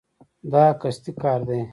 دا قصدي کار دی.